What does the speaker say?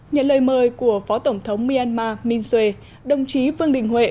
nhận lời mời của phó tổng thống myanmar minh suê đồng chí vương đình huệ